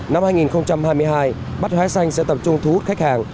năm hai nghìn hai mươi hai bát hóa xanh sẽ tập trung thu hút khách hàng